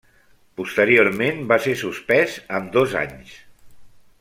Posteriorment va ser suspès amb dos anys.